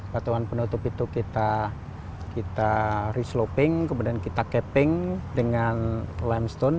batuan penutup itu kita resloping kemudian kita capping dengan lime stone